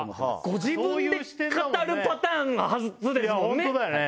ご自分で語るパターンが初ですもんね。